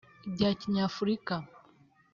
ibya kinyafurika